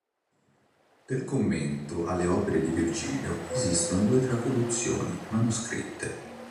Del commento alle opere di Virgilio esistono due tradizioni manoscritte.